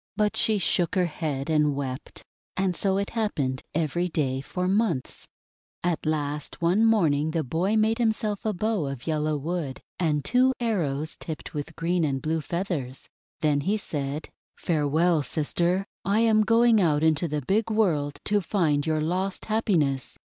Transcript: But she shook her head and wept. And so it happened every day for months. 356 THE WONDER GARDEN At last one morning the boy made himself a bow of yellow wood, and two arrows tipped with green and blue feathers; then he said: —;( Farewell, sister! I am going out into the big World to find your lost happiness."